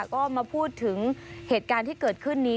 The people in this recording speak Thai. ก็มาพูดถึงเหตุการณ์ที่เกิดขึ้นนี้